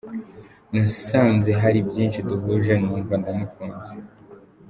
Nasanze hari byinshi duhuje numva ndamukunze.